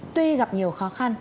tuy gặp nhiều khó khăn